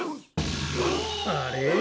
あれ？